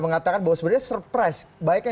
mengatakan bahwa sebenarnya surprise baiknya